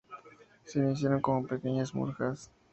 Se iniciaron como pequeñas murgas.